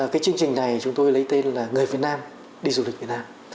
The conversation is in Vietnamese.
cái chương trình này chúng tôi lấy tên là người việt nam đi du lịch việt nam